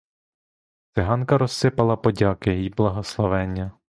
Циганка розсипала подяки й благословення.